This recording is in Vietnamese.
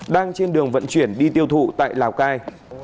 đang trên đường vận chuyển đi tiêu thụ tại lào cai